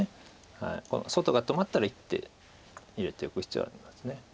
外が止まったら１手入れておく必要があります。